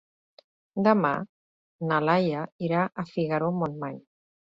Demà na Laia irà a Figaró-Montmany.